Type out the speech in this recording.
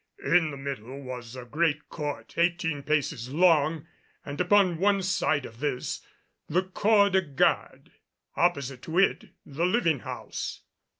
In the middle was a great court eighteen paces long and upon one side of this, the "corps de garde." Opposite to it, the living house.